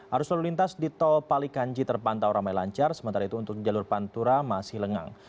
arus lalu lintas di tol palikanji terpantau ramai lancar sementara itu untuk jalur pantura masih lengang